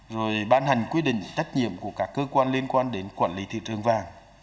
rồi ban hành quy định trách nhiệm của các cơ quan liên quan đến quản lý thị trường vàng